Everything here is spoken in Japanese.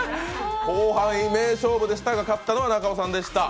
後半、名勝負でしたが勝ったのは中尾さんでした。